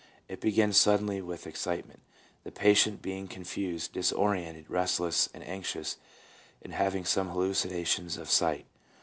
It begins suddenly with excitement, the patient being confused, disorientated, restless, and anxious, and having some hallucinations of sight.